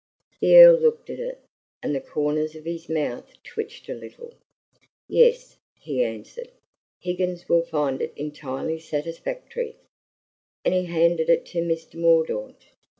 The Earl looked at it, and the corners of his mouth twitched a little. "Yes," he answered; "Higgins will find it entirely satisfactory." And he handed it to Mr. Mordaunt.